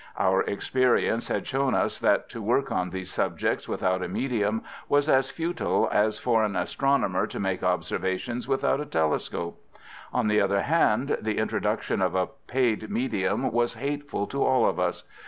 Our experience had shown us that to work on these subjects without a medium was as futile as for an astronomer to make observations without a telescope. On the other hand, the introduction of a paid medium was hateful to all of us.